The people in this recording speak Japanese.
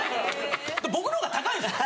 僕の方が高いんですよ